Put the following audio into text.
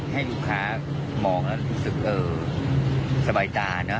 ให้ลูกค้ามองแล้วรู้สึกสบายตานะ